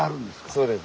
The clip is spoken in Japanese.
そうです。